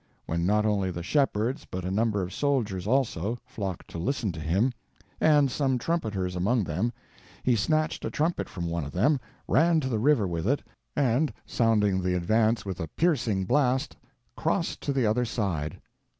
When not only the shepherds, but a number of soldiers also, flocked to listen to him, and some trumpeters among them, he snatched a trumpet from one of them, ran to the river with it, and, sounding the advance with a piercing blast, crossed to the other side.